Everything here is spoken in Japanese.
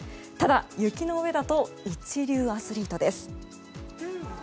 ただ、雪の上だと一流アスリートです。